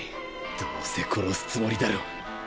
どうせ殺すつもりだろ。